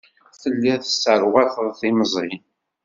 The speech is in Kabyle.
Telliḍ tesserwateḍ timẓin.